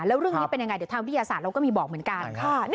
แล้วเรื่องนี้เป็นยังไงเดี๋ยวทางวิทยาศาสตร์เราก็มีบอกเหมือนกัน